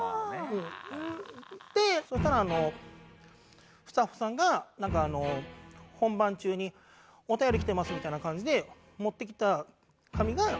でそしたらあのスタッフさんがなんかあの本番中に「お便り来てます」みたいな感じで持ってきた紙がそのタレコミ。